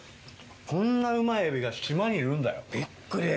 こんなうまいエビが島にいるんだよ。びっくり。